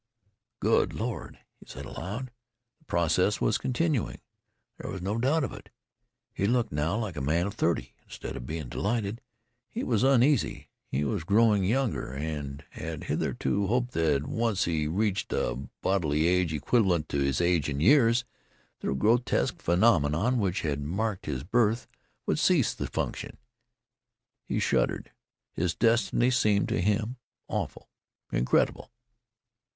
"Good Lord!" he said aloud. The process was continuing. There was no doubt of it he looked now like a man of thirty. Instead of being delighted, he was uneasy he was growing younger. He had hitherto hoped that once he reached a bodily age equivalent to his age in years, the grotesque phenomenon which had marked his birth would cease to function. He shuddered. His destiny seemed to him awful, incredible.